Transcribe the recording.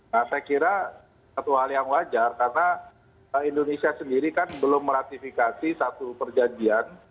nah saya kira satu hal yang wajar karena indonesia sendiri kan belum meratifikasi satu perjanjian